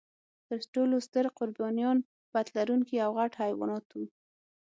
تر ټولو ستر قربانیان پت لرونکي او غټ حیوانات و.